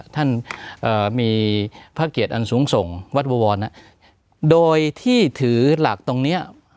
ท่านมีพระเกียรติอันสูงส่งวัดบวรโดยที่ถือหลักตรงนี้